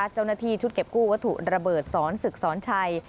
เจ้าหน้าที่ชุดเก็บกู้วัตถุระเบิดสอนศึกสอนชัย